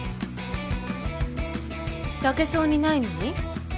抱けそうにないのに？